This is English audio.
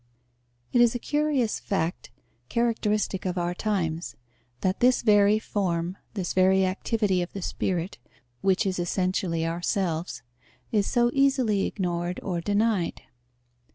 It is a curious fact, characteristic of our times, that this very form, this very activity of the spirit, which is essentially ourselves, is so easily ignored or denied.